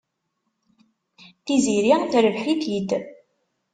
Tiziri terbeḥ-it-id.